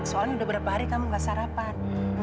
soalnya udah berapa hari kamu gak sarapan